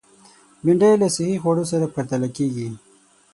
بېنډۍ له صحي خوړو سره پرتله کېږي